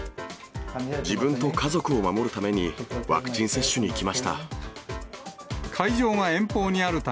自分と家族を守るために、ワクチン接種に来ました。